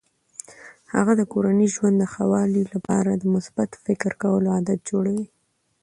هغه د کورني ژوند د ښه والي لپاره د مثبت فکر کولو عادات جوړوي.